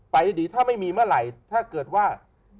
ดีถ้าไม่มีเมื่อไหร่ถ้าเกิดว่า